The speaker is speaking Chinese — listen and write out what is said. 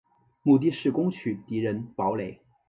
目的是攻取敌人堡垒。